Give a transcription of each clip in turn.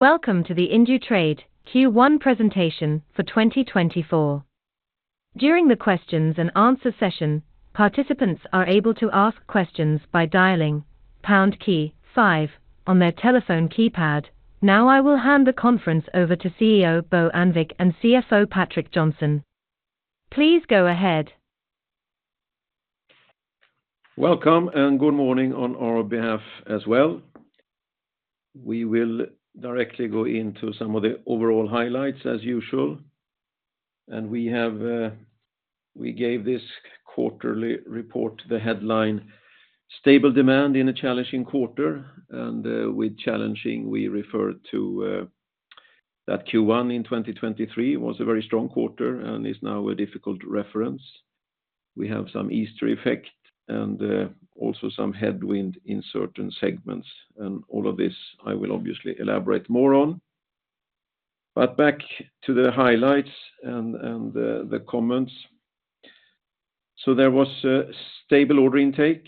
Welcome to the Indutrade Q1 presentation for 2024. During the questions and answer session, participants are able to ask questions by dialing pound key five on their telephone keypad. Now, I will hand the conference over to CEO Bo Annvik and CFO Patrik Johnson. Please go ahead. Welcome, and good morning on our behalf as well. We will directly go into some of the overall highlights, as usual, and we gave this quarterly report the headline, "Stable demand in a challenging quarter." With challenging, we refer to that Q1 in 2023 was a very strong quarter and is now a difficult reference. We have some Easter effect and also some headwind in certain segments, and all of this, I will obviously elaborate more on. But back to the highlights and the comments. There was a stable order intake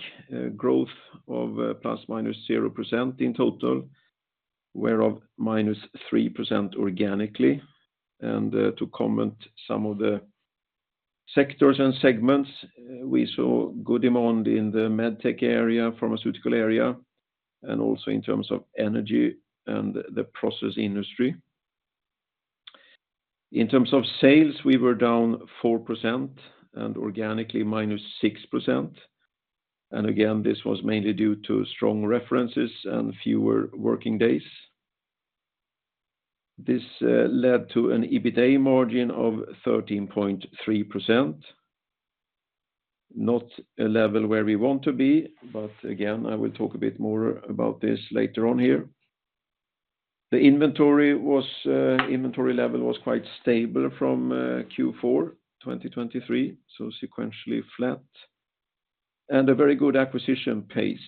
growth of ±0% in total, whereof -3% organically. To comment some of the sectors and segments, we saw good demand in the medtech area, pharmaceutical area, and also in terms of energy and the process industry. In terms of sales, we were down 4% and organically, -6%. And again, this was mainly due to strong references and fewer working days. This led to an EBITA margin of 13.3%. Not a level where we want to be, but again, I will talk a bit more about this later on here. The inventory level was quite stable from Q4 2023, so sequentially flat. And a very good acquisition pace.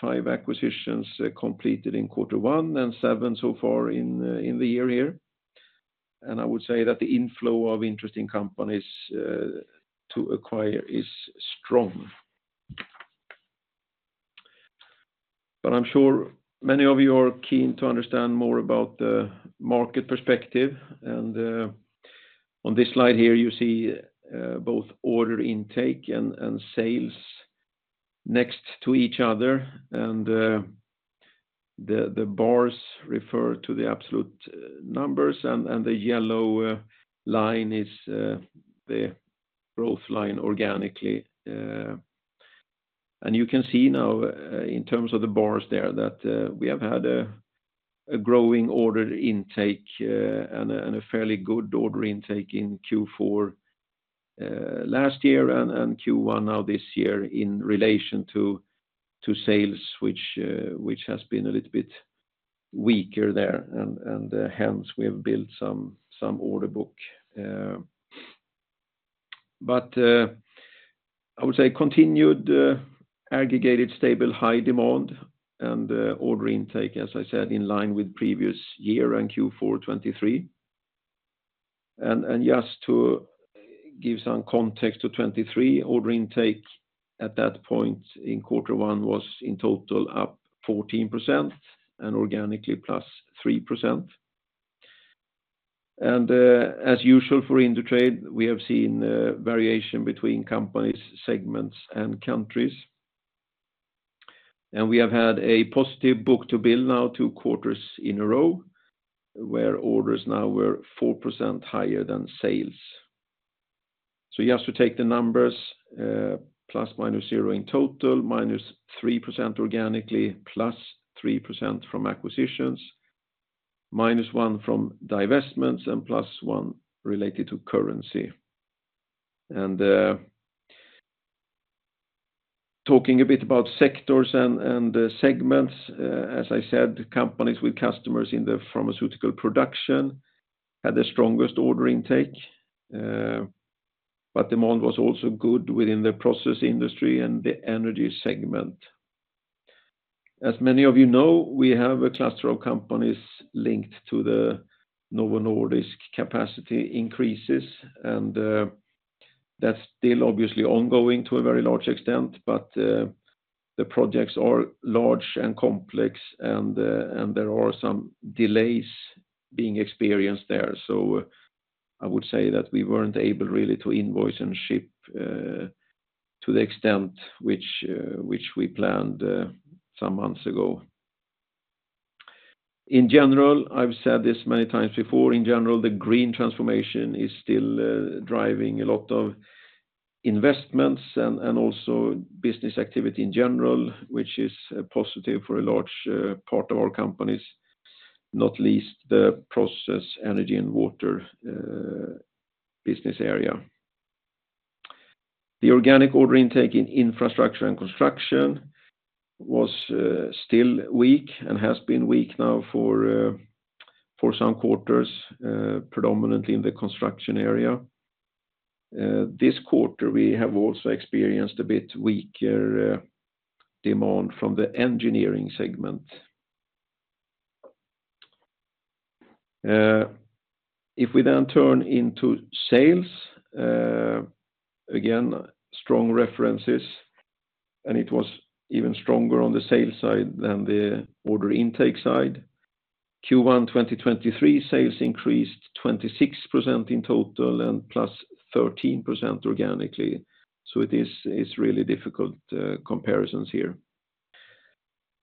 Five acquisitions completed in quarter one and seven so far in the year here. And I would say that the inflow of interesting companies to acquire is strong. But I'm sure many of you are keen to understand more about the market perspective, and on this slide here, you see both order intake and sales next to each other, and the bars refer to the absolute numbers, and the yellow line is the growth line organically. And you can see now, in terms of the bars there, that we have had a growing order intake, and a fairly good order intake in Q4 last year and Q1 now this year, in relation to sales, which has been a little bit weaker there, and hence, we have built some order book. But, I would say continued, aggregated, stable, high demand and, order intake, as I said, in line with previous year and Q4 2023. And just to give some context to 2023, order intake at that point in quarter one was in total, up 14% and organically, +3%. And, as usual for Indutrade, we have seen, variation between companies, segments, and countries. And we have had a positive book-to-bill now, two quarters in a row, where orders now were 4% higher than sales. So you have to take the numbers, ±0 in total, -3% organically, +3% from acquisitions, -1% from divestments, and +1% related to currency. Talking a bit about sectors and segments, as I said, companies with customers in the pharmaceutical production had the strongest order intake, but demand was also good within the process industry and the energy segment. As many of you know, we have a cluster of companies linked to the Novo Nordisk capacity increases, and that's still obviously ongoing to a very large extent, but the projects are large and complex, and there are some delays being experienced there. So I would say that we weren't able really to invoice and ship to the extent which we planned some months ago. In general, I've said this many times before, in general, the green transformation is still driving a lot of investments and, and also business activity in general, which is positive for a large part of our companies, not least the Process, Energy, & Water business area. The organic order intake in Infrastructure & Construction was still weak and has been weak now for some quarters, predominantly in the construction area. This quarter, we have also experienced a bit weaker demand from the engineering segment. If we then turn into sales, again, strong revenues and it was even stronger on the sales side than the order intake side. Q1 2023, sales increased 26% in total and +13% organically, so it is, it's really difficult comparisons here.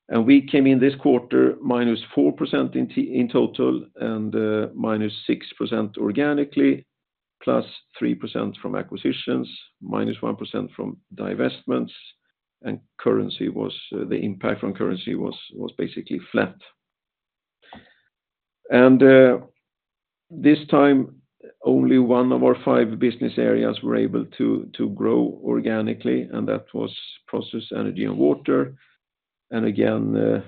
We came in this quarter -4% in total, and -6% organically, +3% from acquisitions, -1% from divestments, and currency was the impact from currency was basically flat. This time, only one of our five business areas were able to grow organically, and that was Process, Energy & Water. And again,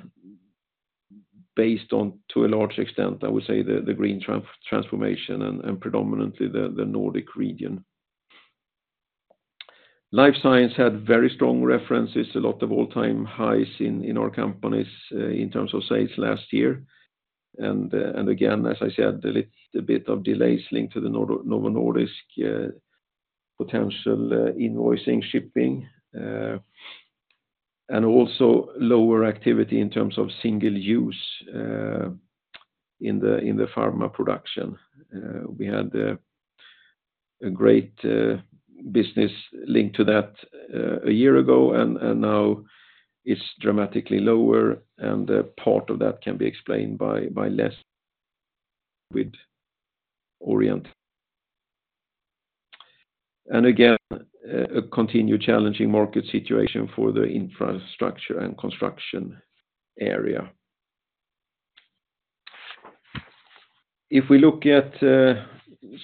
based on, to a large extent, I would say, the green transformation and predominantly the Nordic region. Life Science had very strong references, a lot of all-time highs in our companies in terms of sales last year. And again, as I said, a bit of delays linked to the Novo Nordisk potential invoicing, shipping, and also lower activity in terms of single use in the pharma production. We had a great business linked to that a year ago, and now it's dramatically lower, and a part of that can be explained by less with Orion. And again, a continued challenging market situation for the Infrastructure & Construction area. If we look at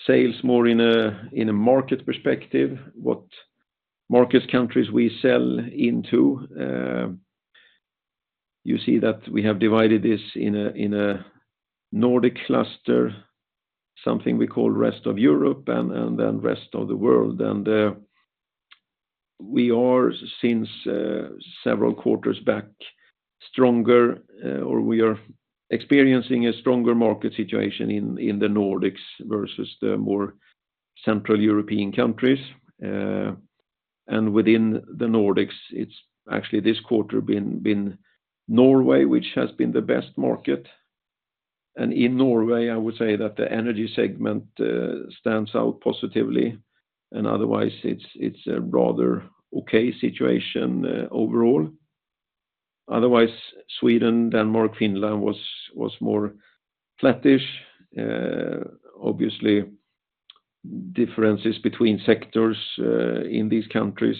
sales more in a market perspective, what markets, countries we sell into, you see that we have divided this in a Nordic cluster, something we call Rest of Europe, and then Rest of the World. We are, since several quarters back, stronger, or we are experiencing a stronger market situation in the Nordics versus the more central European countries. And within the Nordics, it's actually this quarter been Norway, which has been the best market. And in Norway, I would say that the energy segment stands out positively, and otherwise, it's a rather okay situation overall. Otherwise, Sweden, Denmark, Finland was more flattish. Obviously, differences between sectors in these countries.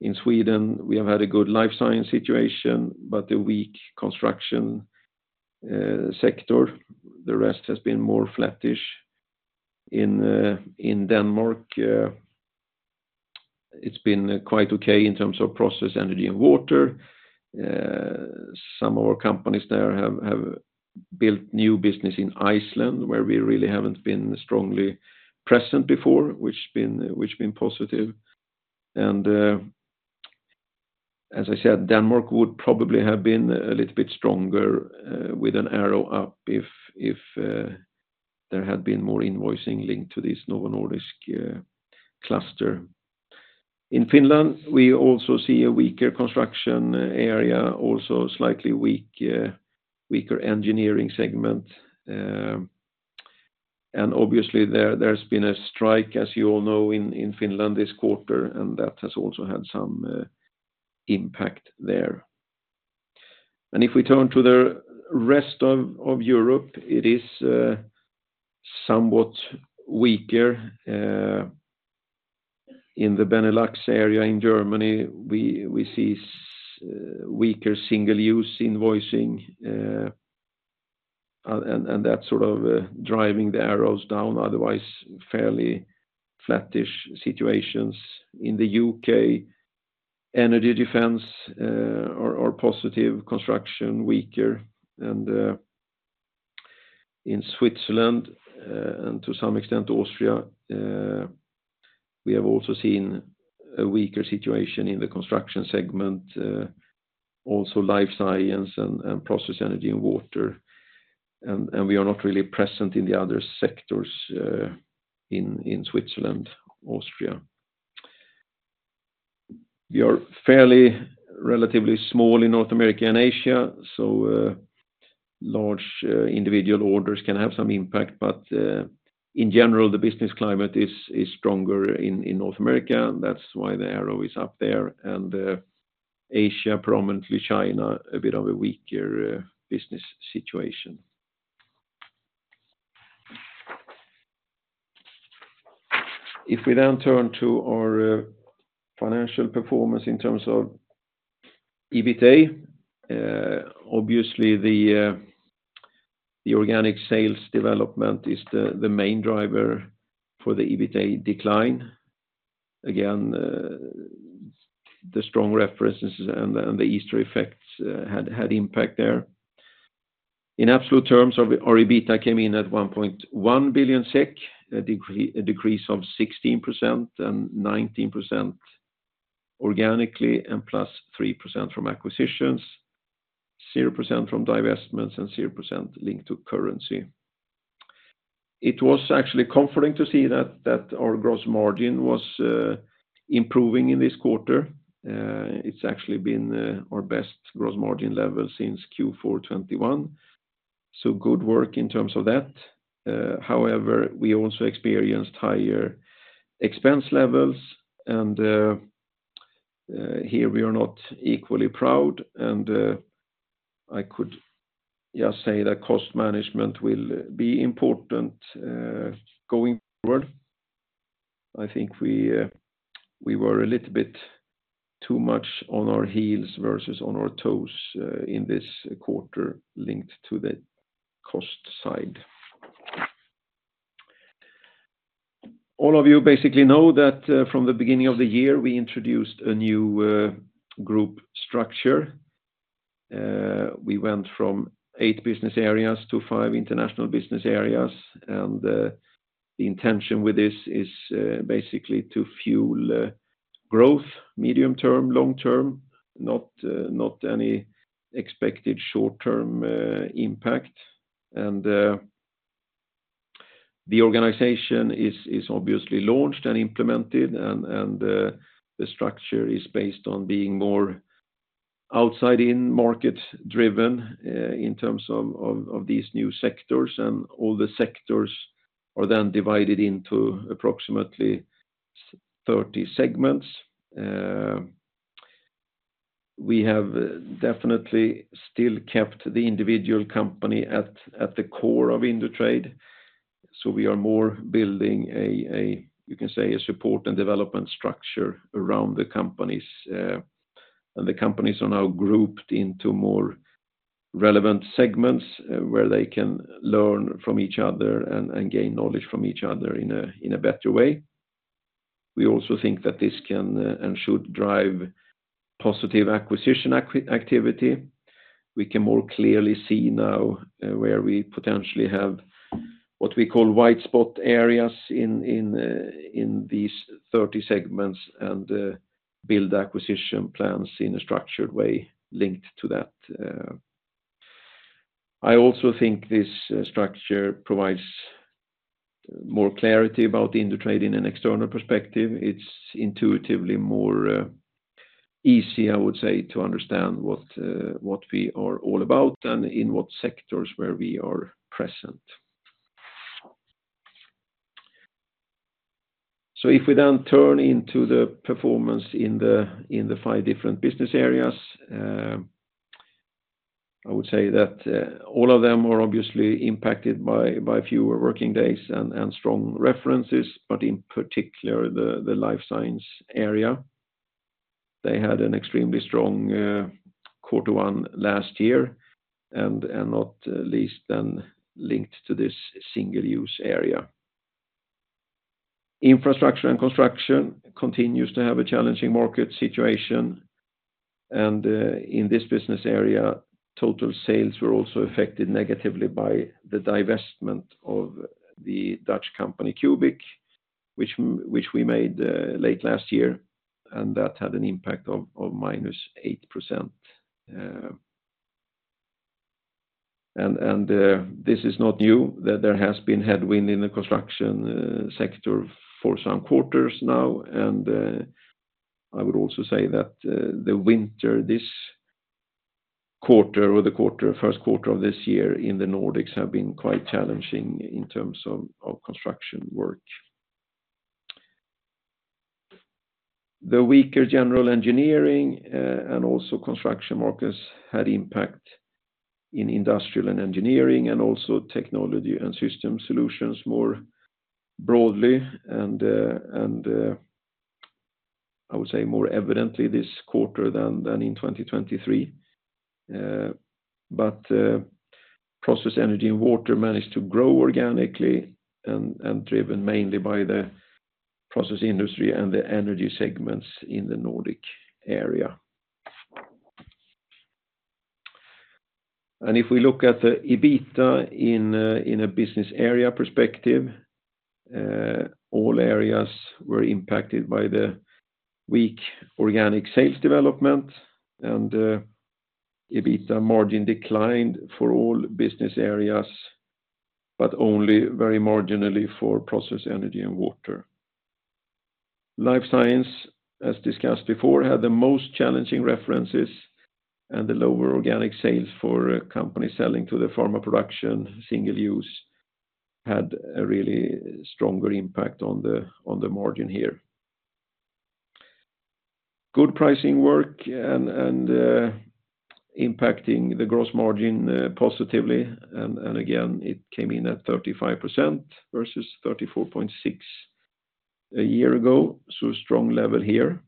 In Sweden, we have had a good Life Science situation, but a weak construction sector. The rest has been more flattish. In Denmark, it's been quite okay in terms of Process, Energy, & Water. Some of our companies there have built new business in Iceland, where we really haven't been strongly present before, which has been positive. And, as I said, Denmark would probably have been a little bit stronger with an arrow up if there had been more invoicing linked to this Novo Nordisk cluster. In Finland, we also see a weaker construction area, also a slightly weaker engineering segment. And obviously, there's been a strike, as you all know, in Finland this quarter, and that has also had some impact there. And if we turn to the rest of Europe, it is somewhat weaker in the Benelux area. In Germany, we see weaker single-use invoicing, and that's sort of driving the arrows down, otherwise, fairly flattish situations. In the U.K., energy, defense are positive, construction weaker. In Switzerland, and to some extent, Austria, we have also seen a weaker situation in the construction segment, also Life Science and Process, Energy, & Water. We are not really present in the other sectors in Switzerland, Austria. We are fairly, relatively small in North America and Asia, so large individual orders can have some impact, but in general, the business climate is stronger in North America, and that's why the arrow is up there. Asia, prominently China, a bit of a weaker business situation. If we then turn to our financial performance in terms of EBITA, obviously, the organic sales development is the main driver for the EBITA decline. Again, the strong references and the Easter effects had impact there. In absolute terms, our EBITA came in at 1.1 billion SEK, a decrease of 16%, and 19% organically, and +3% from acquisitions, 0% from divestments, and 0% linked to currency. It was actually comforting to see that our gross margin was improving in this quarter. It's actually been our best gross margin level since Q4 2021, so good work in terms of that. However, we also experienced higher expense levels, and here we are not equally proud, and I could just say that cost management will be important going forward. I think we were a little bit too much on our heels versus on our toes in this quarter linked to the cost side. All of you basically know that, from the beginning of the year, we introduced a new group structure. We went from eight business areas to five international business areas, and the intention with this is basically to fuel growth, medium term, long term, not any expected short-term impact. The organization is obviously launched and implemented, and the structure is based on being more outside-in market-driven, in terms of these new sectors, and all the sectors are then divided into approximately 30 segments. We have definitely still kept the individual company at the core of Indutrade, so we are more building a, you can say, a support and development structure around the companies. The companies are now grouped into more relevant segments, where they can learn from each other and gain knowledge from each other in a better way. We also think that this can and should drive positive acquisition activity. We can more clearly see now where we potentially have what we call white spot areas in these 30 segments and build acquisition plans in a structured way linked to that. I also think this structure provides more clarity about Indutrade in an external perspective. It's intuitively more easy, I would say, to understand what we are all about and in what sectors where we are present. So if we then turn to the performance in the five different business areas, I would say that all of them are obviously impacted by fewer working days and strong references, but in particular, the Life Science area. They had an extremely strong quarter one last year, and not least then linked to this single-use area. Infrastructure & Construction continues to have a challenging market situation, and in this business area, total sales were also affected negatively by the divestment of the Dutch company, QbiQ, which we made late last year, and that had an impact of -8%. This is not new, that there has been headwind in the construction sector for some quarters now. I would also say that the winter, this quarter, or the first quarter of this year in the Nordics have been quite challenging in terms of of construction work. The weaker general engineering and also construction markets had impact in Industrial & Engineering, and also Technology & Systems Solutions more broadly. I would say more evidently this quarter than in 2023. But Process, Energy, & Water managed to grow organically and driven mainly by the process industry and the energy segments in the Nordic area. If we look at the EBITA in a business area perspective, all areas were impacted by the weak organic sales development, and EBITA margin declined for all business areas, but only very marginally for Process, Energy, & Water. Life Science, as discussed before, had the most challenging references, and the lower organic sales for a company selling to the pharma production, single-use, had a really stronger impact on the margin here. Good pricing work and impacting the gross margin positively, and again, it came in at 35% versus 34.6% a year ago, so a strong level here.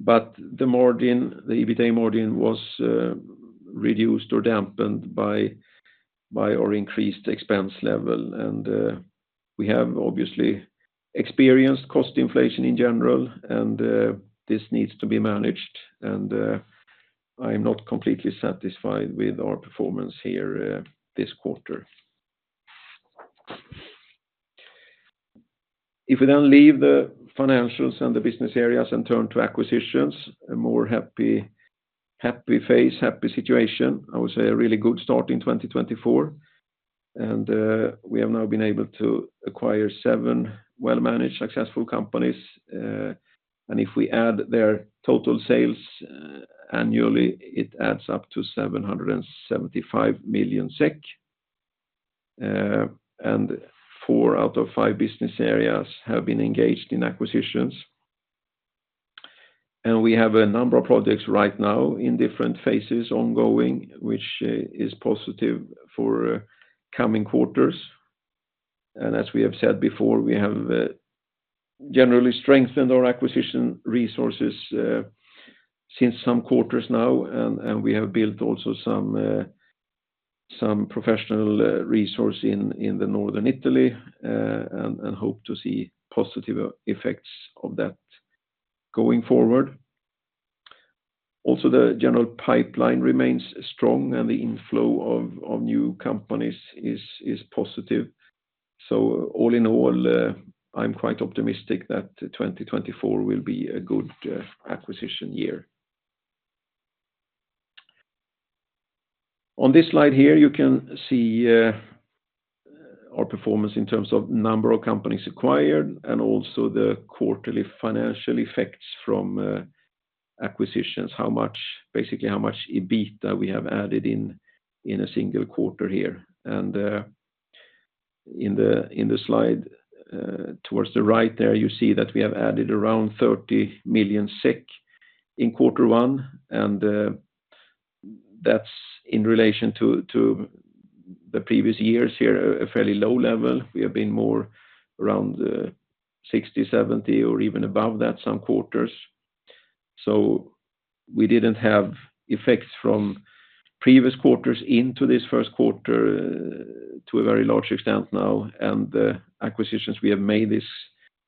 But the margin, the EBITA margin was reduced or dampened by, by our increased expense level, and we have obviously experienced cost inflation in general, and this needs to be managed, and I'm not completely satisfied with our performance here, this quarter. If we then leave the financials and the business areas and turn to acquisitions, a more happy, happy face, happy situation, I would say a really good start in 2024. We have now been able to acquire seven well-managed, successful companies. And if we add their total sales, annually, it adds up to 775 million SEK. Four out of five business areas have been engaged in acquisitions. And we have a number of projects right now in different phases ongoing, which is positive for coming quarters. As we have said before, we have generally strengthened our acquisition resources since some quarters now, and we have built also some professional resource in Northern Italy, and hope to see positive effects of that going forward. Also, the general pipeline remains strong, and the inflow of new companies is positive. So all in all, I'm quite optimistic that 2024 will be a good acquisition year. On this slide here, you can see our performance in terms of number of companies acquired and also the quarterly financial effects from acquisitions, how much, basically, how much EBITA we have added in a single quarter here. In the slide towards the right there, you see that we have added around 30 million SEK in quarter one, and that's in relation to the previous years here, a fairly low level. We have been more around 60, 70, or even above that some quarters. So we didn't have effects from previous quarters into this first quarter to a very large extent now, and the acquisitions we have made this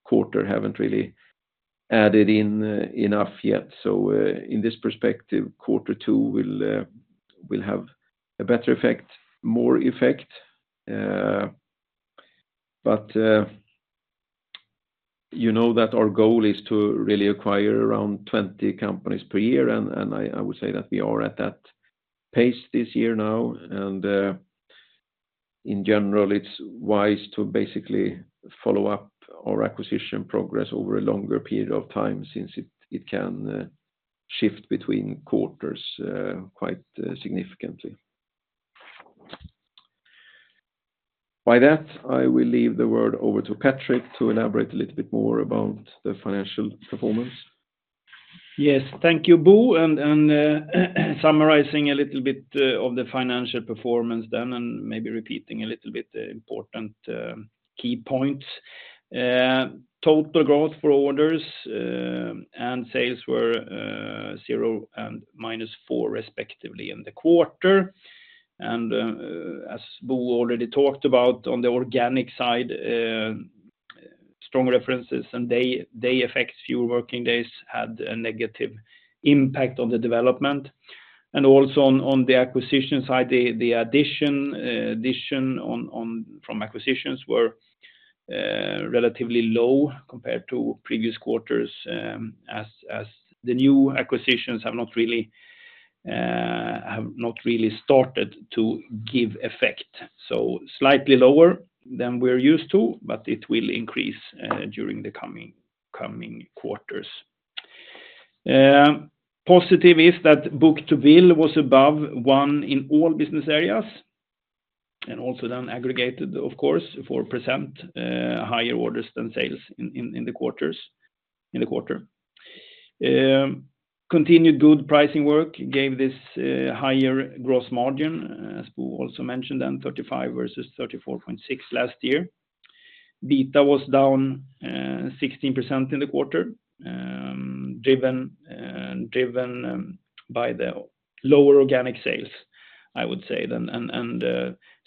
quarter haven't really added in enough yet. So in this perspective, quarter two will have a better effect, more effect. But you know that our goal is to really acquire around 20 companies per year, and I would say that we are at that pace this year now. In general, it's wise to basically follow up our acquisition progress over a longer period of time since it can shift between quarters quite significantly. By that, I will leave the word over to Patrik to elaborate a little bit more about the financial performance. Yes. Thank you, Bo. Summarizing a little bit of the financial performance then, and maybe repeating a little bit the important key points. Total growth for orders and sales were 0 and -4, respectively, in the quarter. As Bo already talked about on the organic side, strong references and day effects, fewer working days had a negative impact on the development. Also on the acquisition side, the addition from acquisitions were relatively low compared to previous quarters, as the new acquisitions have not really started to give effect, so slightly lower than we're used to, but it will increase during the coming quarters. Positive is that book-to-bill was above 1 in all business areas, and also then aggregated, of course, 4% higher orders than sales in the quarter. Continued good pricing work gave this higher gross margin, as Bo also mentioned, than 35% versus 34.6% last year. EBITA was down 16% in the quarter, driven by the lower organic sales, I would say, then, and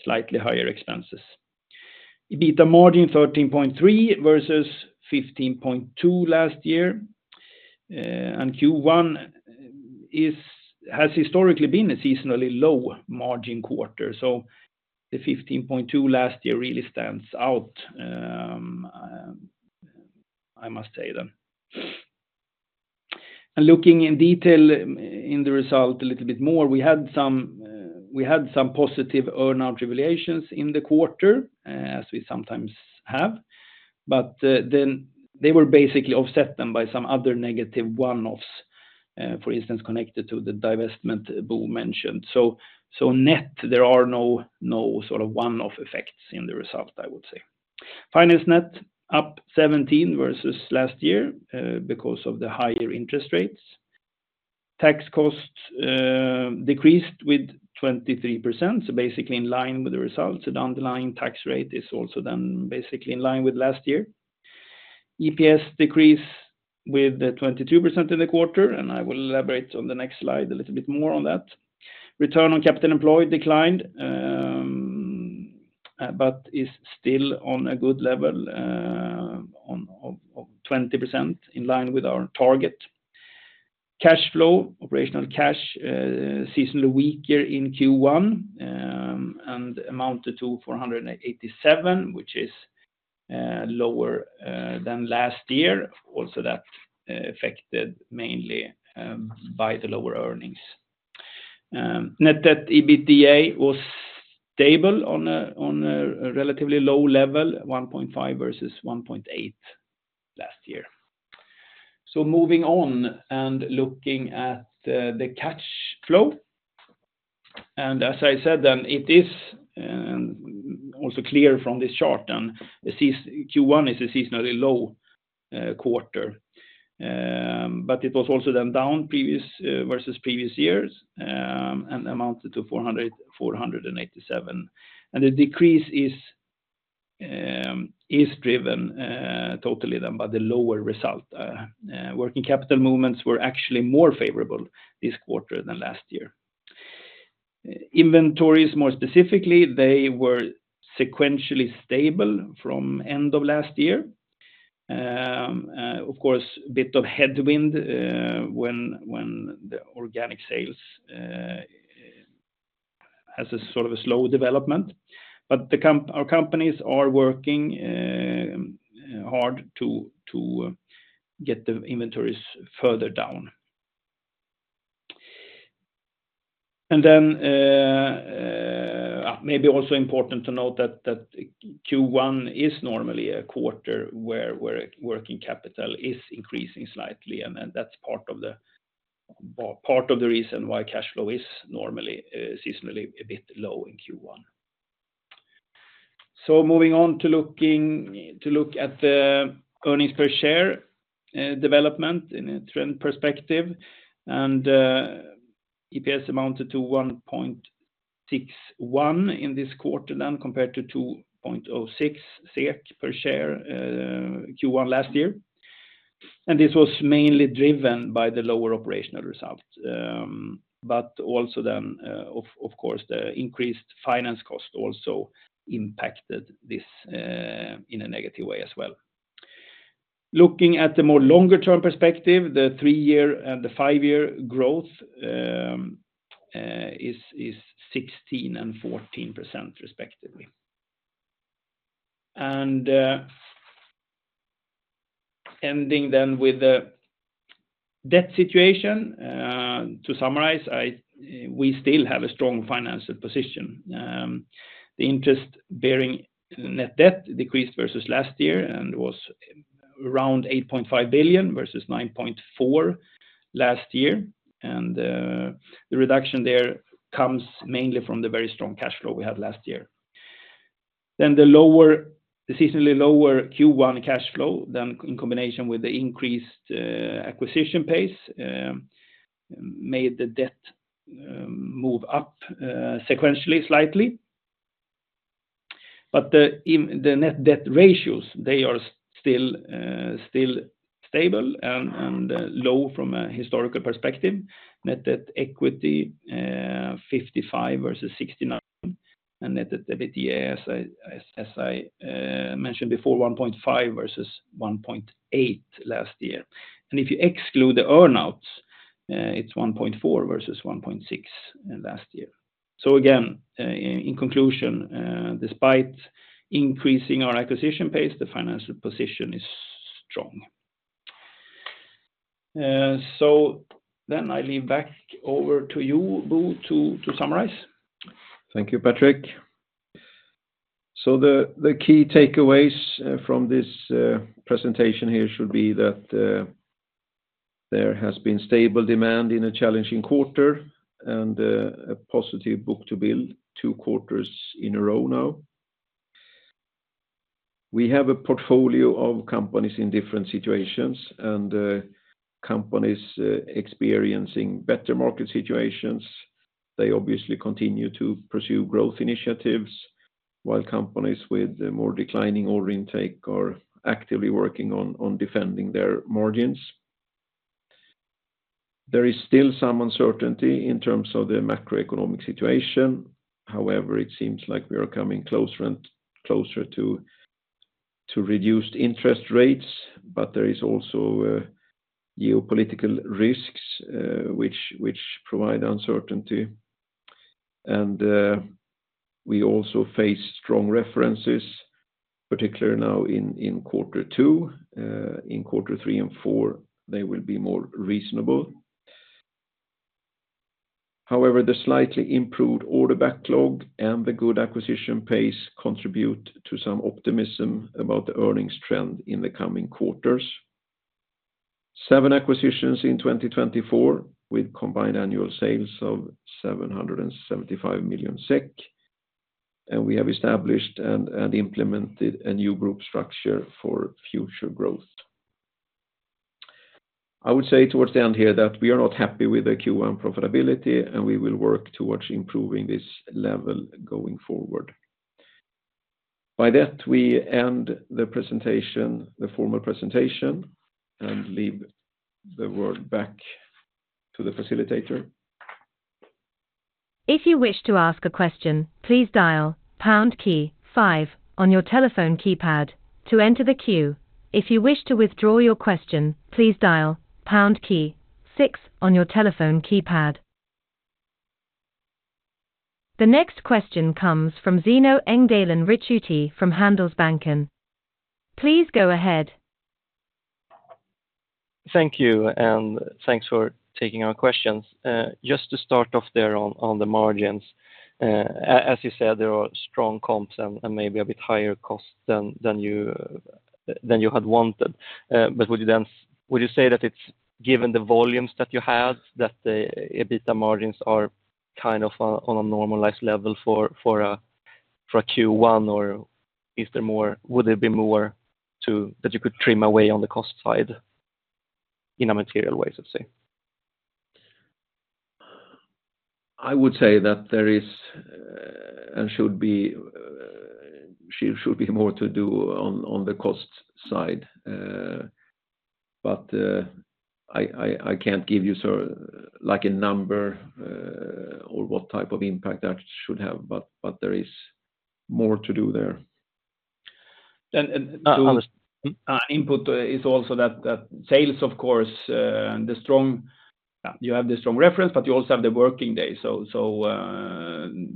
slightly higher expenses. EBITA margin 13.3% versus 15.2% last year, and Q1 has historically been a seasonally low margin quarter, so the 15.2% last year really stands out, I must say then. Looking in detail in the result a little bit more, we had some positive earnout revaluations in the quarter, as we sometimes have. But then they were basically offset then by some other negative one-offs, for instance, connected to the divestment Bo mentioned. So net, there are no sort of one-off effects in the result, I would say. Finance net, up 17 versus last year, because of the higher interest rates. Tax costs decreased with 23%, so basically in line with the results. The underlying tax rate is also then basically in line with last year. EPS decreased with 22% in the quarter, and I will elaborate on the next slide a little bit more on that. Return on capital employed declined, but is still on a good level of 20% in line with our target. Cash flow, operational cash, seasonally weaker in Q1, and amounted to 487 million, which is lower than last year. Also, that's affected mainly by the lower earnings. Net debt/EBITDA was stable on a relatively low level, 1.5 versus 1.8 last year. So moving on and looking at the cash flow, and as I said, it is also clear from this chart, Q1 is a seasonally low quarter. But it was also down versus previous years, and amounted to 487 million. And the decrease is driven totally by the lower result. Working capital movements were actually more favorable this quarter than last year. Inventories, more specifically, they were sequentially stable from end of last year. Of course, a bit of headwind when the organic sales has a sort of a slow development. But our companies are working hard to get the inventories further down. And then, maybe also important to note that Q1 is normally a quarter where working capital is increasing slightly, and then that's part of the reason why cash flow is normally seasonally a bit low in Q1. So moving on to looking, to look at the earnings per share development in a trend perspective, and EPS amounted to 1.61 in this quarter, then compared to 2.06 SEK per share Q1 last year. And this was mainly driven by the lower operational result, but also then of course the increased finance cost also impacted this in a negative way as well. Looking at the more longer-term perspective, the three-year and the five-year growth is 16% and 14%, respectively. And ending then with the debt situation to summarize, we still have a strong financial position. The interest bearing net debt decreased versus last year and was around 8.5 billion versus 9.4 billion last year, and the reduction there comes mainly from the very strong cash flow we had last year. Then the seasonally lower Q1 cash flow, then in combination with the increased acquisition pace made the debt move up sequentially, slightly. But the net debt ratios, they are still stable and low from a historical perspective. Net debt equity 55 versus 69, and net debt/EBITDA, as I mentioned before, 1.5 versus 1.8 last year. And if you exclude the earn-outs, it's 1.4 versus 1.6 last year. So again, in conclusion, despite increasing our acquisition pace, the financial position is strong. So then I leave back over to you, Bo, to summarize. Thank you, Patrik. So the key takeaways from this presentation here should be that there has been stable demand in a challenging quarter and a positive book-to-bill two quarters in a row now. We have a portfolio of companies in different situations, and companies experiencing better market situations, they obviously continue to pursue growth initiatives, while companies with more declining order intake are actively working on defending their margins. There is still some uncertainty in terms of the macroeconomic situation. However, it seems like we are coming closer and closer to reduced interest rates, but there is also geopolitical risks, which provide uncertainty. And we also face strong references, particularly now in quarter two. In quarter three and four, they will be more reasonable. However, the slightly improved order backlog and the good acquisition pace contribute to some optimism about the earnings trend in the coming quarters. seven acquisitions in 2024, with combined annual sales of 775 million SEK, and we have established and implemented a new group structure for future growth. I would say towards the end here that we are not happy with the Q1 profitability, and we will work towards improving this level going forward. By that, we end the presentation, the formal presentation, and leave the word back to the facilitator. If you wish to ask a question, please dial pound key five on your telephone keypad to enter the queue. If you wish to withdraw your question, please dial pound key six on your telephone keypad. The next question comes from Zino Engdalen Ricciuti from Handelsbanken. Please go ahead. Thank you, and thanks for taking our questions. Just to start off there on the margins, as you said, there are strong comps and maybe a bit higher cost than you had wanted. But would you say that it's given the volumes that you had, that the EBITA margins are kind of on a normalized level for a Q1? Or would there be more to that you could trim away on the cost side in a material way, let's say? I would say that there is and should be more to do on the cost side. But I can't give you sort of like a number or what type of impact that should have, but there is more to do there. Input is also that sales, of course, the strong. You have the strong reference, but you also have the working day. So,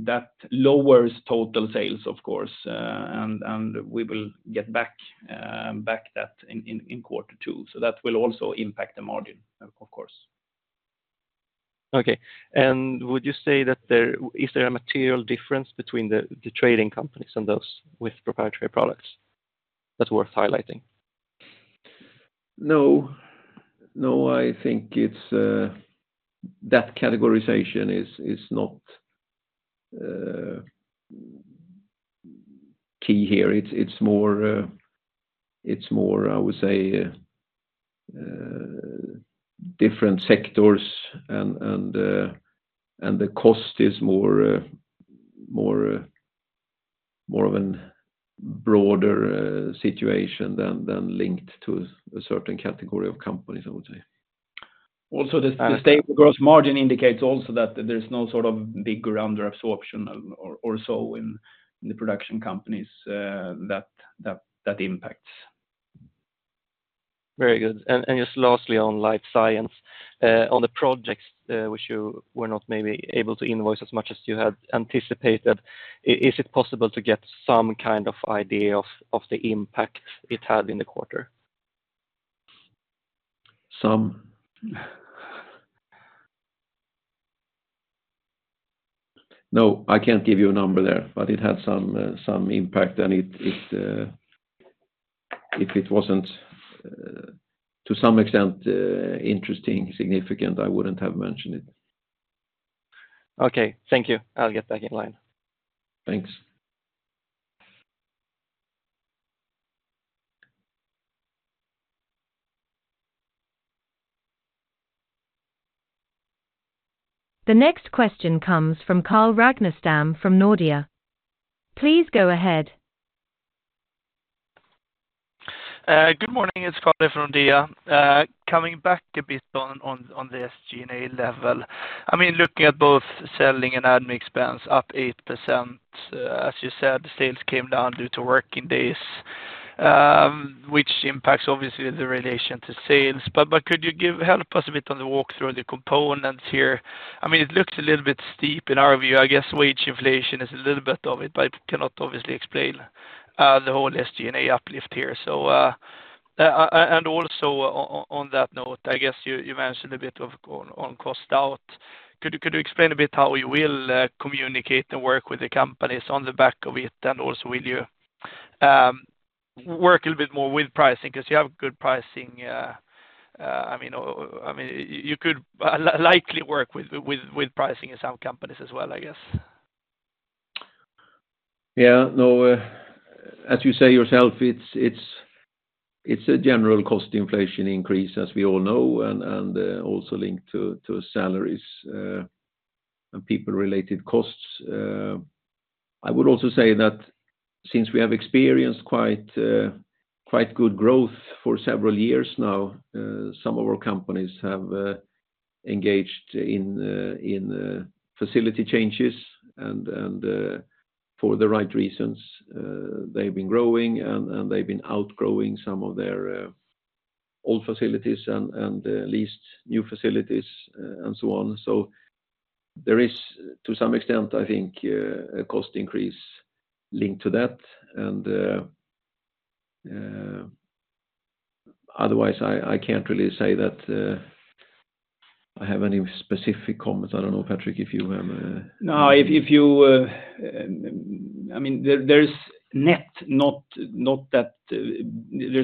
that lowers total sales, of course, and we will get back that in quarter two. So that will also impact the margin, of course. Okay. Would you say that there is a material difference between the trading companies and those with proprietary products that's worth highlighting? No. No, I think it's that categorization is not key here. It's more, I would say, different sectors and the cost is more of a broader situation than linked to a certain category of companies, I would say. Also, the stable gross margin indicates also that there's no sort of big underabsorption or so in the production companies, that impacts. Very good. And just lastly, on Life Science, on the projects, which you were not maybe able to invoice as much as you had anticipated, is it possible to get some kind of idea of the impact it had in the quarter? No, I can't give you a number there, but it had some impact, and if it wasn't to some extent interesting, significant, I wouldn't have mentioned it. Okay. Thank you. I'll get back in line. Thanks. The next question comes from Carl Ragnerstam from Nordea. Please go ahead. Good morning, it's Carl from Nordea. Coming back a bit on the SG&A level. I mean, looking at both selling and admin expense up 8%, as you said, sales came down due to working days, which impacts obviously the relation to sales. But could you give... Help us a bit on the walk through the components here. I mean, it looks a little bit steep in our view. I guess wage inflation is a little bit of it, but cannot obviously explain the whole SG&A uplift here. So, and also on that note, I guess you mentioned a bit on cost out. Could you explain a bit how you will communicate and work with the companies on the back of it? And also, will you work a little bit more with pricing? Because you have good pricing, I mean, I mean, you could likely work with pricing in some companies as well, I guess. Yeah. No, as you say yourself, it's a general cost inflation increase, as we all know, and also linked to salaries and people-related costs. I would also say that since we have experienced quite good growth for several years now, some of our companies have engaged in facility changes, and for the right reasons, they've been growing and they've been outgrowing some of their old facilities and leased new facilities, and so on. So there is, to some extent, I think, a cost increase linked to that, and otherwise, I can't really say that I have any specific comments. I don't know, Patrik, if you have a. No, if you, I mean, there's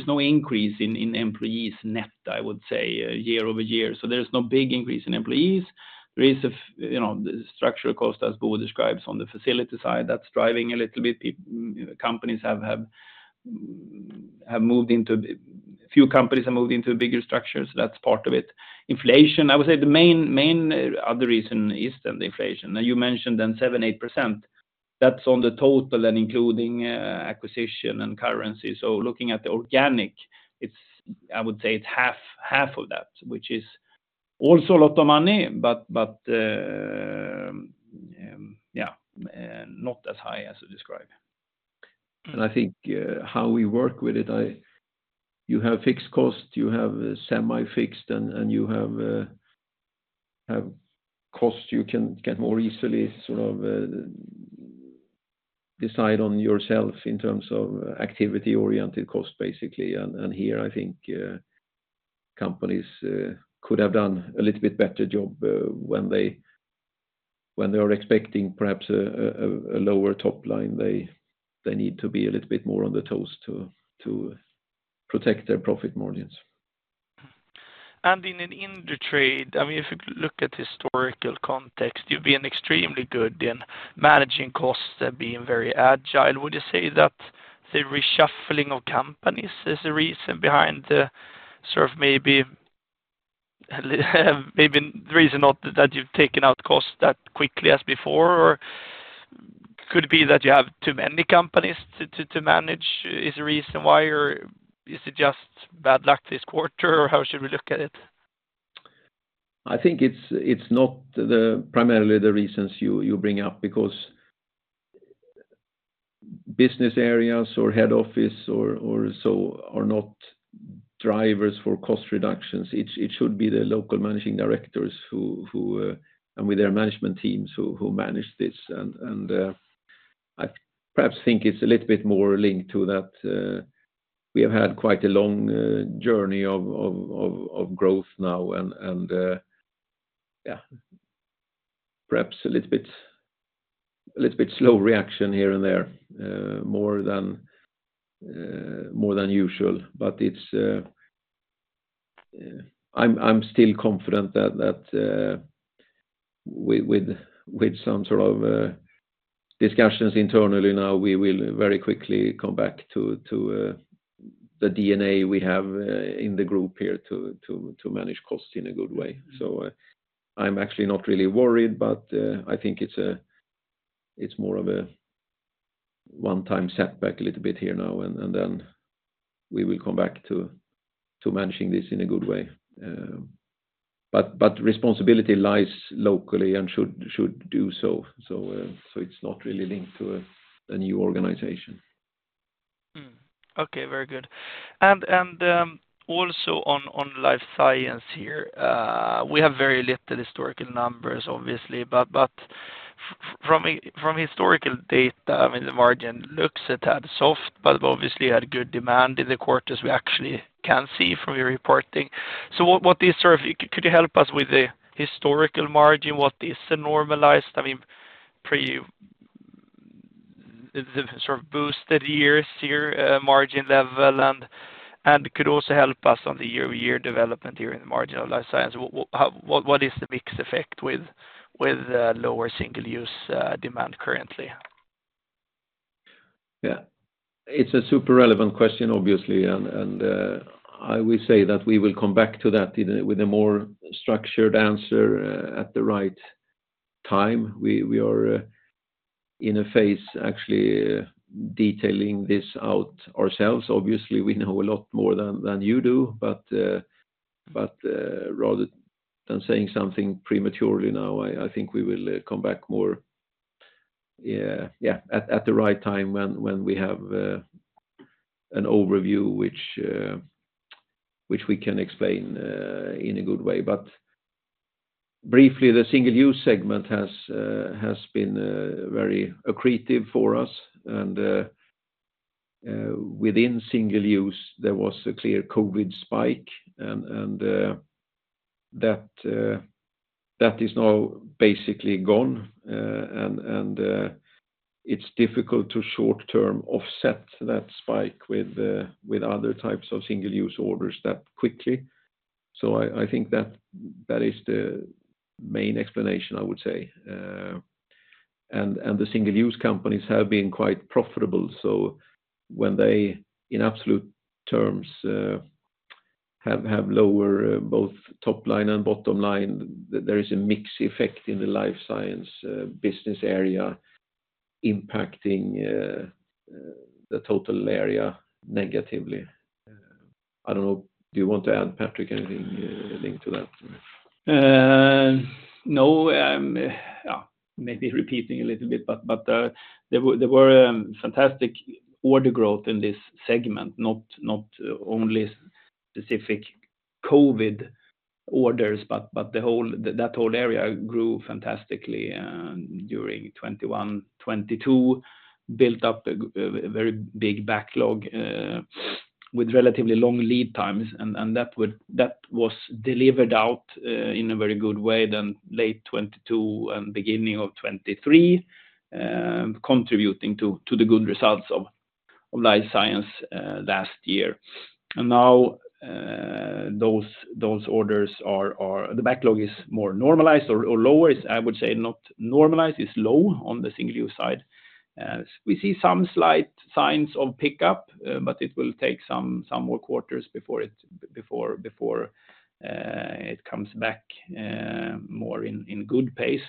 no increase in employees net, I would say, year-over-year, so there's no big increase in employees. There is a, you know, structural cost, as Bo describes on the facility side, that's driving a little bit. A few companies have moved into bigger structures, so that's part of it. Inflation, I would say the main other reason is then the inflation. Now, you mentioned then 7%-8%. That's on the total and including acquisition and currency. So looking at the organic, it's, I would say it's half of that, which is also a lot of money, but, yeah, not as high as you describe. And I think how we work with it, you have fixed cost, you have semi-fixed, and you have costs you can get more easily, sort of, decide on yourself in terms of activity-oriented cost, basically. And here, I think, companies could have done a little bit better job, when they are expecting perhaps a lower top line, they need to be a little bit more on their toes to protect their profit margins. In Indutrade, I mean, if you look at historical context, you've been extremely good in managing costs and being very agile. Would you say that the reshuffling of companies is the reason behind the sort of maybe, maybe the reason not that you've taken out costs that quickly as before? Or could it be that you have too many companies to manage is the reason why, or is it just bad luck this quarter, or how should we look at it? I think it's not primarily the reasons you bring up, because business areas or head office or so are not drivers for cost reductions. It should be the local managing directors who and with their management teams who manage this. I perhaps think it's a little bit more linked to that we have had quite a long journey of growth now, and yeah. Perhaps a little bit slow reaction here and there, more than usual. But it's, I'm still confident that with some sort of discussions internally now, we will very quickly come back to the DNA we have in the group here to manage costs in a good way. So, I'm actually not really worried, but I think it's more of a one-time setback a little bit here now, and then we will come back to managing this in a good way. But responsibility lies locally and should do so, so it's not really linked to a new organization. Okay, very good. Also on Life Science here, we have very little historical numbers, obviously, but from historical data, I mean, the margin looks a tad soft, but obviously you had good demand in the quarters we actually can see from your reporting. So, what is sort of, could you help us with the historical margin? What is the normalized, I mean, pre the sort of boosted years here, margin level? And could you also help us on the year-over-year development here in the margin of Life Science? What is the mix effect with lower single-use demand currently? Yeah. It's a super relevant question, obviously, and I will say that we will come back to that with a more structured answer at the right time. We are in a phase actually detailing this out ourselves. Obviously, we know a lot more than you do, but rather than saying something prematurely now, I think we will come back more at the right time when we have an overview, which we can explain in a good way. But briefly, the single-use segment has been very accretive for us. And within single-use, there was a clear COVID spike, and that is now basically gone. And it's difficult to short-term offset that spike with other types of single-use orders that quickly. So I think that is the main explanation, I would say. And the single-use companies have been quite profitable, so when they, in absolute terms, have lower both top line and bottom line, there is a mix effect in the Life Science business area impacting the total area negatively. I don't know, do you want to add, Patrik, anything linked to that? No, maybe repeating a little bit, but there were fantastic order growth in this segment, not only specific COVID orders, but the whole that whole area grew fantastically during 2021, 2022. Built up a very big backlog with relatively long lead times, and that was delivered out in a very good way in late 2022 and beginning of 2023, contributing to the good results of Life Science last year. And now, those orders are the backlog is more normalized or lower. I would say not normalized, it's low on the single use side. We see some slight signs of pickup, but it will take some more quarters before it comes back more in good pace.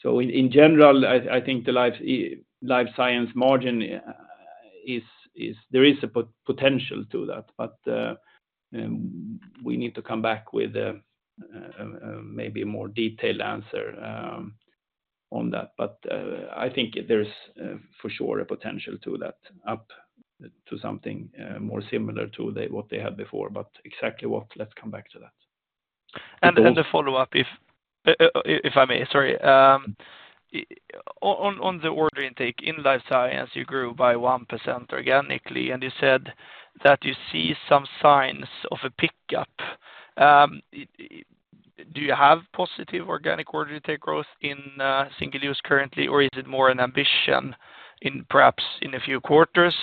So in general, I think the Life Science margin is there is a potential to that, but we need to come back with maybe a more detailed answer on that. But I think there's for sure a potential to that up to something more similar to what they had before, but exactly what, let's come back to that. And a follow-up, if I may, sorry. On the order intake in Life Science, you grew by 1% organically, and you said that you see some signs of a pickup. Do you have positive organic order intake growth in single use currently, or is it more an ambition in perhaps a few quarters?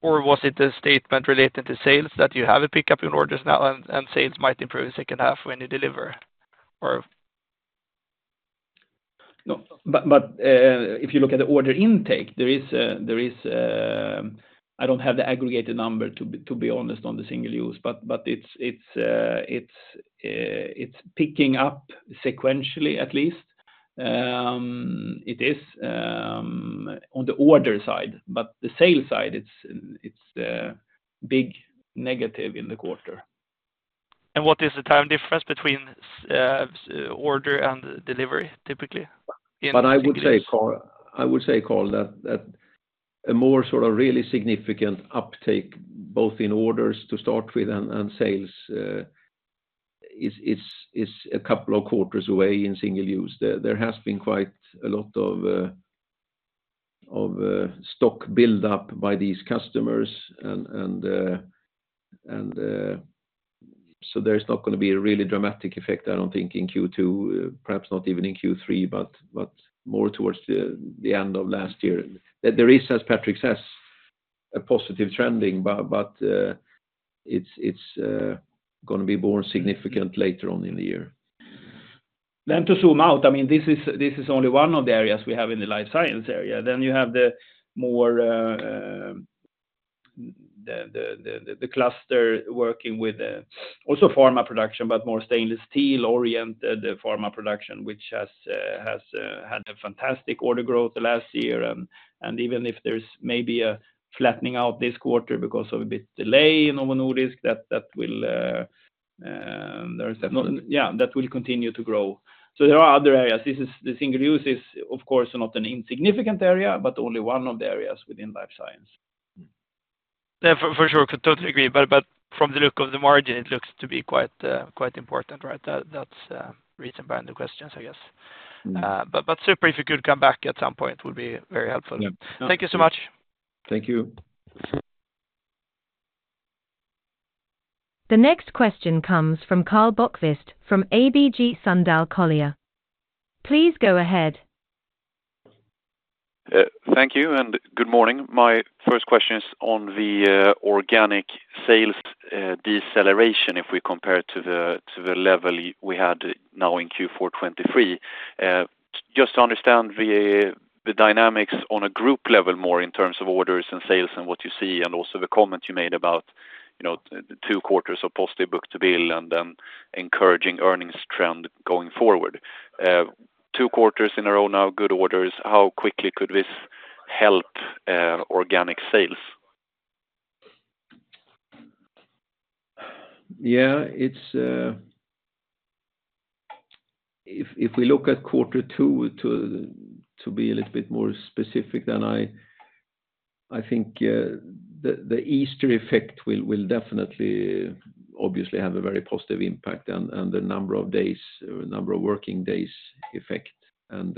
Or was it a statement related to sales that you have a pickup in orders now, and sales might improve in second half when you deliver? Or. No. But if you look at the order intake, there is a, I don't have the aggregated number, to be honest, on the single-use, but it's picking up sequentially, at least. It is on the order side, but the sale side, it's big negative in the quarter. What is the time difference between order and delivery, typically in single-use? But I would say, Carl, I would say, Carl, that a more sort of really significant uptake, both in orders to start with and sales, is a couple of quarters away in single-use. There has been quite a lot of stock build up by these customers, and so there's not gonna be a really dramatic effect, I don't think, in Q2, perhaps not even in Q3, but more towards the end of last year. There is, as Patrik says, a positive trending, but it's gonna be more significant later on in the year. Then to zoom out, I mean, this is only one of the areas we have in the Life Science area. Then you have the more, the cluster working with also pharma production, but more stainless steel-oriented pharma production, which has had a fantastic order growth last year. And even if there's maybe a flattening out this quarter because of a bit delay in Novo Nordisk, that will. There is that. Yeah, that will continue to grow. There are other areas. This is the single use is, of course, not an insignificant area, but only one of the areas within Life Science. Yeah, for sure, could totally agree, but from the look of the margin, it looks to be quite quite important, right? That, that's reason behind the questions, I guess. Mm. But super if you could come back at some point, would be very helpful. Yeah. Thank you so much. Thank you. The next question comes from Karl Bokvist from ABG Sundal Collier. Please go ahead. Thank you, and good morning. My first question is on the organic sales deceleration, if we compare to the level we had now in Q4 2023. Just to understand the dynamics on a group level, more in terms of orders and sales and what you see, and also the comment you made about, you know, the two quarters of positive book-to-bill and then encouraging earnings trend going forward. Two quarters in a row now, good orders, how quickly could this help organic sales? Yeah, it's. If we look at quarter two, to be a little bit more specific, then I think the Easter effect will definitely, obviously, have a very positive impact on the number of working days effect. And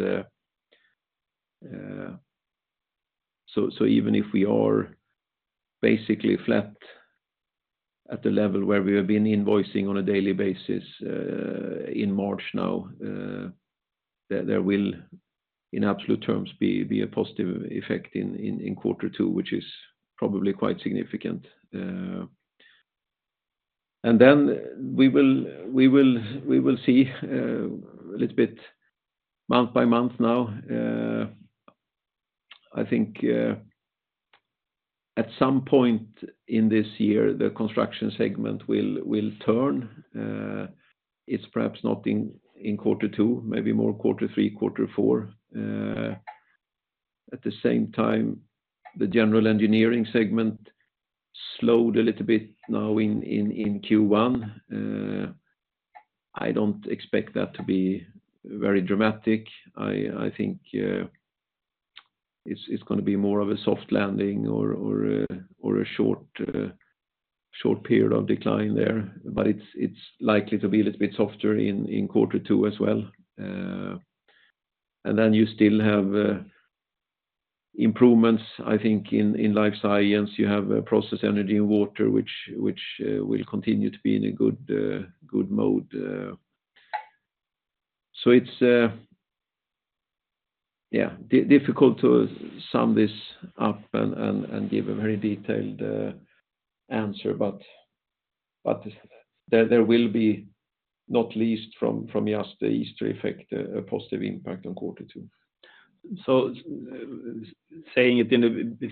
so even if we are basically flat at the level where we have been invoicing on a daily basis in March now, there will, in absolute terms, be a positive effect in quarter two, which is probably quite significant. And then we will see a little bit month by month now. I think at some point in this year, the construction segment will turn. It's perhaps not in quarter two, maybe more quarter three, quarter four. At the same time, the general engineering segment slowed a little bit now in Q1. I don't expect that to be very dramatic. I think it's gonna be more of a soft landing or a short period of decline there, but it's likely to be a little bit softer in quarter two as well. And then you still have improvements, I think, in Life Science. You have a process energy and water, which will continue to be in a good mode. So it's yeah, difficult to sum this up and give a very detailed answer, but there will be, not least from just the Easter effect, a positive impact on quarter two. So saying it in a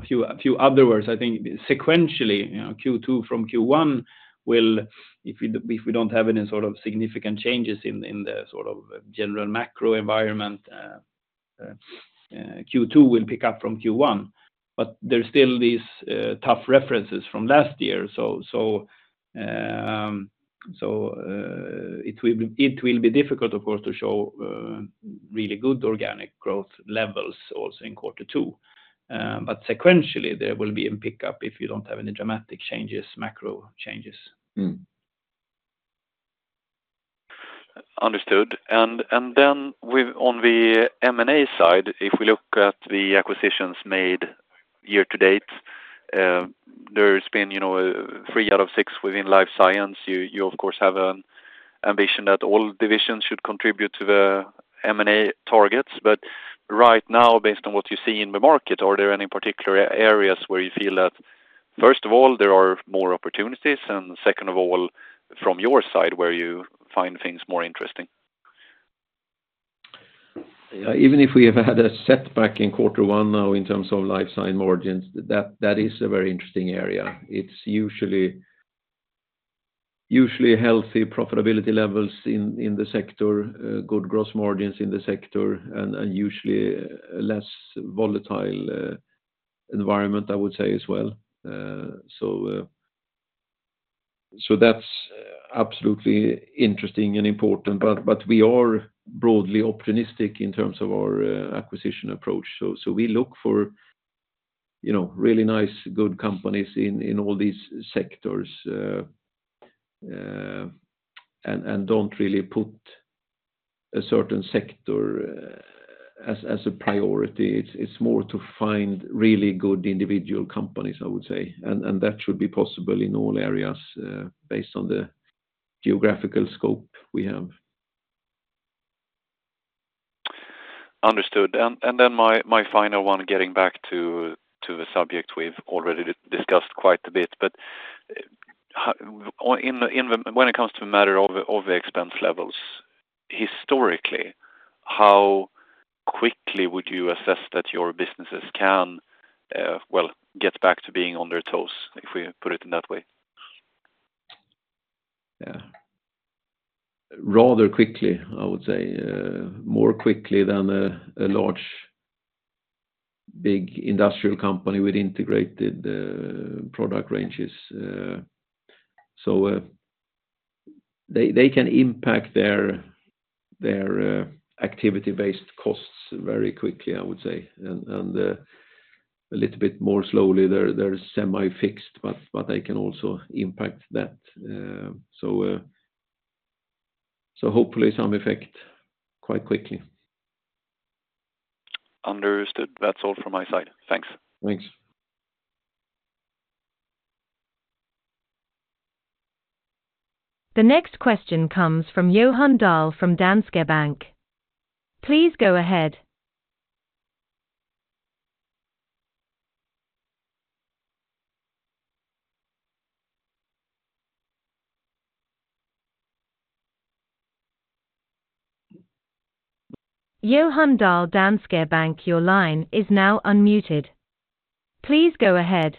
few other words, you know, I think sequentially, you know, Q2 from Q1 will, if we don't have any sort of significant changes in the sort of general macro environment. Q2 will pick up from Q1, but there's still these tough references from last year. So, it will be difficult, of course, to show really good organic growth levels also in quarter two. But sequentially, there will be a pickup if you don't have any dramatic changes, macro changes. Mm. Understood. And, and then with on the M&A side, if we look at the acquisitions made year to date, there's been, you know, three out of six within Life Science. You, of course, have an ambition that all divisions should contribute to the M&A targets. But right now, based on what you see in the market, are there any particular areas where you feel that, first of all, there are more opportunities, and second of all, from your side, where you find things more interesting? Yeah, even if we have had a setback in quarter one now in terms of Life Science margins, that is a very interesting area. It's usually healthy profitability levels in the sector, good gross margins in the sector, and usually a less volatile environment, I would say as well. So that's absolutely interesting and important. But we are broadly opportunistic in terms of our acquisition approach. So we look for, you know, really nice, good companies in all these sectors, and don't really put a certain sector as a priority. It's more to find really good individual companies, I would say. And that should be possible in all areas, based on the geographical scope we have. Understood. And then my final one, getting back to the subject we've already discussed quite a bit. When it comes to the matter of the expense levels, historically, how quickly would you assess that your businesses can get back to being on their toes, if we put it in that way? Yeah. Rather quickly, I would say, more quickly than a large, big industrial company with integrated product ranges. So, they can impact their activity-based costs very quickly, I would say, and a little bit more slowly, they're semi-fixed, but they can also impact that. So, hopefully some effect quite quickly. Understood. That's all from my side. Thanks. Thanks. The next question comes from Johan Dahl from Danske Bank. Please go ahead. Johan Dahl, Danske Bank, your line is now unmuted. Please go ahead.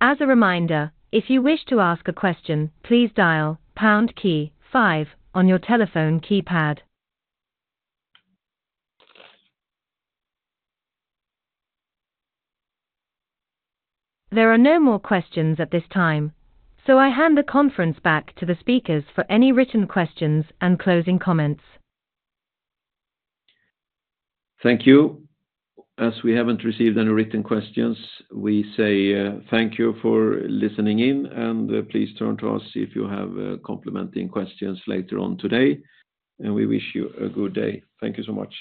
As a reminder, if you wish to ask a question, please dial pound key five on your telephone keypad. There are no more questions at this time, so I hand the conference back to the speakers for any written questions and closing comments. Thank you. As we haven't received any written questions, we say, thank you for listening in, and, please turn to us if you have, complementary questions later on today. And we wish you a good day. Thank you so much.